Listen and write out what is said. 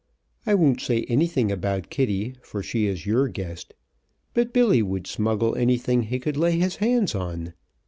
I won't say anything about Kitty, for she is your guest, but Billy would smuggle anything he could lay his hands on.